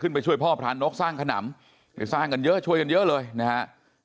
ไปช่วยพ่อพรานกสร้างขนำไปสร้างกันเยอะช่วยกันเยอะเลยนะฮะ